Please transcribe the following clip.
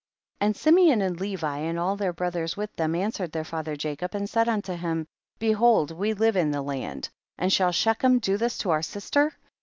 34. And Simeon and Levi and all their brothers with them answered their father Jacob and said unto him, behold we live in the land, and shall Shechem do this to our sister